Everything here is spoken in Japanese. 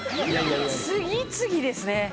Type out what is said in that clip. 「次々ですね」